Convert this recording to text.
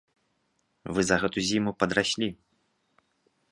Вы за гэту зіму падраслі.